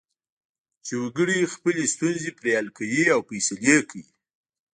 چې وګړي خپلې ستونزې پرې حل کوي او فیصلې کوي.